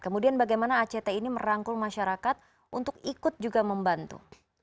kemudian bagaimana act ini merangkul masyarakat untuk ikut juga membantu